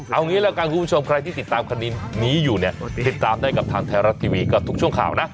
เอางี้แล้วกันคุณผู้ชมใครที่ติดตามคดีนี้อยู่เนี่ยติดตามได้กับทางไทยรัฐทีวีกับทุกช่วงข่าวนะ